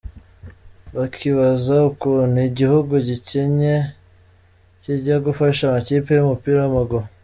Bakibaza ukuntu igihugu gikennye kijya gufasha amakipe y’umupira w’amaguru!